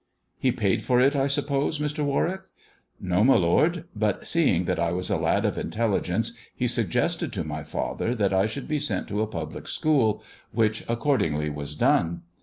" He paid for it, I suppose, Mr. Warwick ?"" No, my lord ; but seeing that I was a lad of intelligence, he suggested to my father that I should be sent to a public school, which accordingly was done.